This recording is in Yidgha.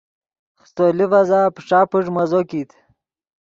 خیستو لیڤزا پݯا پݯ مزو کیت